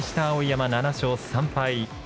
碧山７勝３敗。